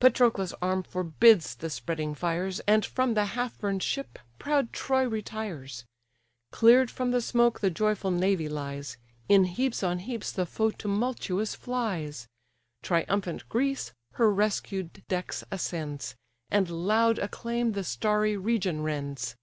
Patroclus' arm forbids the spreading fires, And from the half burn'd ship proud Troy retires; Clear'd from the smoke the joyful navy lies; In heaps on heaps the foe tumultuous flies; Triumphant Greece her rescued decks ascends, And loud acclaim the starry region rends.